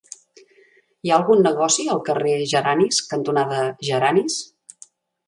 Hi ha algun negoci al carrer Geranis cantonada Geranis?